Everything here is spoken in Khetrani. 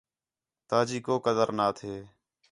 تا جی کُو قدر نا تھے